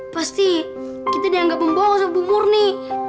pasti kita dianggap membohong sama bu murni